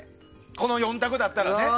この４択だったらね。